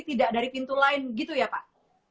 tidak dari pintu lain gitu ya pak